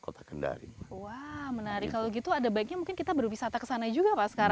kota kendari wah menarik kalau gitu ada baiknya mungkin kita berwisata ke sana juga pak sekarang